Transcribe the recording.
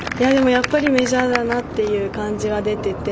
やっぱりメジャーだなという感じは出てて。